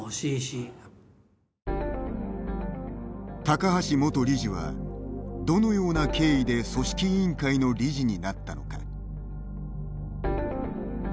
高橋元理事はどのような経緯で組織委員会の理事になったのか。